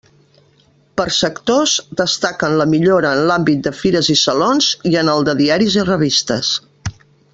Per sectors, destaquen la millora en l'àmbit de fires i salons i en el de diaris i revistes.